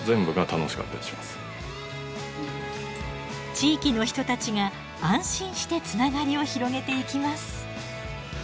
地域の人たちが安心してつながりを広げていきます。